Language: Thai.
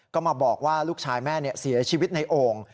ก็มาบอกว่าลูกชายแม่เสียชีวิตในโอ่ง